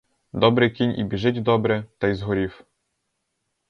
Добрий кінь і біжить добре, та й згорів.